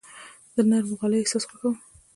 زه د نرمو غالیو احساس خوښوم.